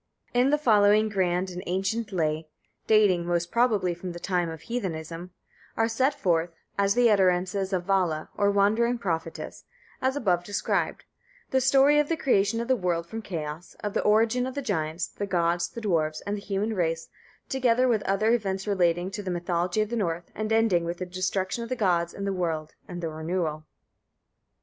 In the following grand and ancient lay, dating most probably from the time of heathenism, are set forth, as the utterances of a Vala, or wandering prophetess, as above described, the story of the creation of the world from chaos, of the origin of the giants, the gods, the dwarfs, and the human race, together with other events relating to the mythology of the North, and ending with the destruction of the gods and the world, and their renewal.